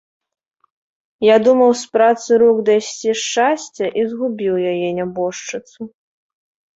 Я думаў з працы рук дайсці шчасця і згубіў яе, нябожчыцу.